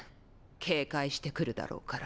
警戒してくるだろうから。